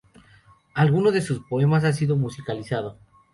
Alguno de sus poemas ha sido musicalizado.